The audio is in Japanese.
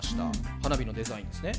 花火のデザインですね。